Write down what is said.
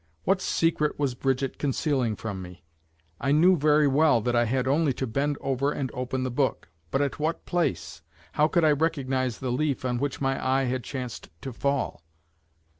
What secret was Brigitte concealing from me? I knew very well that I had only to bend over and open the book; but at what place? How could I recognize the leaf on which my eye had chanced to fall?